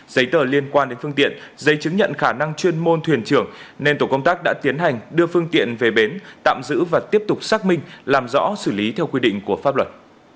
giấy tờ liên quan đến phương tiện giấy chứng nhận khả năng chuyên môn thuyền trưởng nên tổ công tác đã tiến hành đưa phương tiện về bến tạm giữ và tiếp tục xác minh làm rõ xử lý theo quy định của pháp luật